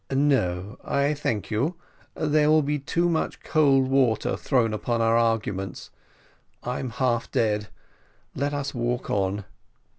"No, I thank you, there will be too much cold water thrown upon our arguments I'm half dead; let us walk on."